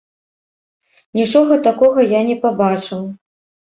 Нічога такога я не пабачыў.